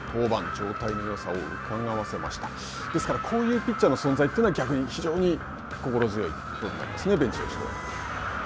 状態のよさをですから、こういうピッチャーの存在というのは、逆に非常に心強いことになりますね、ベンチとしては。